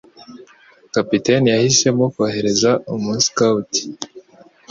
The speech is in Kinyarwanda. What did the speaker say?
Kapiteni yahisemo kohereza umuskuti.